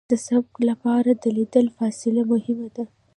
د سبقت لپاره د لید فاصله مهمه ده